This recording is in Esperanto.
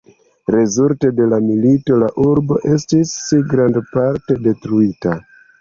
Rezulte de la milito la urbo estis grandparte detruita.